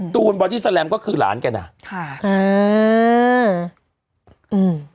ตูนบอดี้แลมก็คือหลานกันอ่ะค่ะอืม